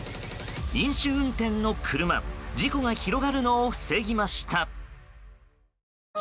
飲酒運転の車事故が広がるのを防ぎました。